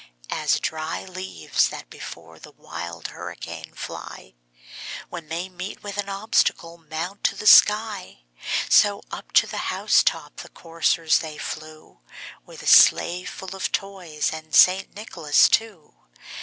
As dry leaves that before the wild hurricane fly, When they meet with an obstacle, mount to the sky, So, up to the house top the coursers they flew, With a sleigh full of toys and St. Nicholas too.